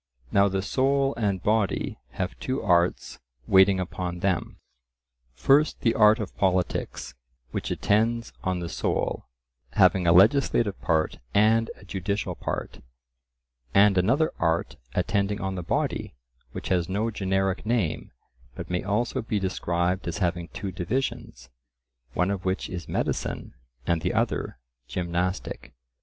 Now the soul and body have two arts waiting upon them, first the art of politics, which attends on the soul, having a legislative part and a judicial part; and another art attending on the body, which has no generic name, but may also be described as having two divisions, one of which is medicine and the other gymnastic.